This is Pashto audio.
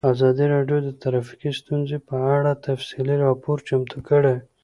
ازادي راډیو د ټرافیکي ستونزې په اړه تفصیلي راپور چمتو کړی.